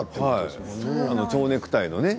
ちょうネクタイのね。